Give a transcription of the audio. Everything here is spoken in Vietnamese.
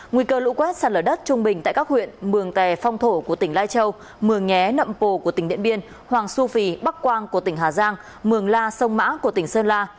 nguy cơ lũ quét sạt lở đất trung bình tại các huyện mường tè phong thổ của tỉnh lai châu mường nhé nậm pồ của tỉnh điện biên hoàng su phi bắc quang của tỉnh hà giang mường la sông mã của tỉnh sơn la